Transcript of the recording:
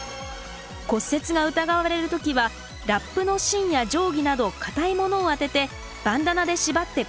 骨折が疑われる時はラップの芯や定規など硬いものを当ててバンダナで縛って固定します。